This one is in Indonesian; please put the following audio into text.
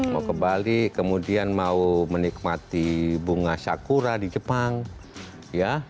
mau ke bali kemudian mau menikmati bunga sakura di jepang ya